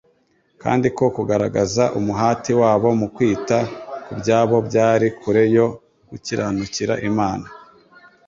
kandi ko kugaragaza umuhati wabo mu kwita kubyabo byari kure yo gukiranukira Imana.